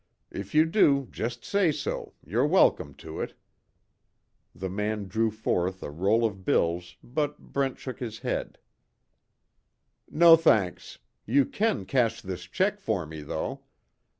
If you do just say so, you're welcome to it." The man drew forth a roll of bills, but Brent shook his head: "No thanks. You can cash this check for me though.